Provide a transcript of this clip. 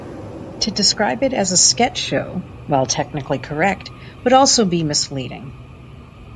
To describe it as a sketch show, while technically correct, would also be misleading.